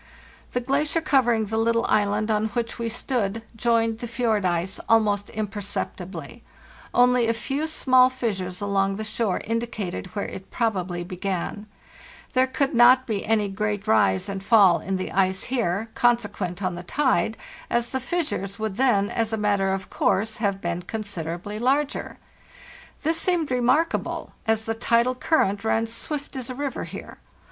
"The glacier covering the little island on which we stood joined the fjord ice almost imperceptibly; only a few small fissures along the shore indicated where it probably creat rise and fall in began. There could not be any g the ice here, consequent on the tide, as the fissures would then, as a matter of course, have been consider ably larger. This seemed remarkable, as the tidal cur rent ran swift as a river here.